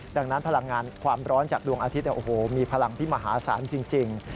ดังนั้นพลังงานความร้อนจากดวงอาทิตย์โอ้โหมีพลังที่มหาศาลจริง